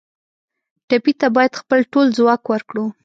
ټپي ته باید خپل ټول ځواک ورکړو.